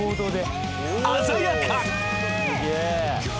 鮮やか］